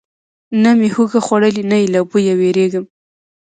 نه مې هوږه خوړلې، نه یې له بویه ویریږم.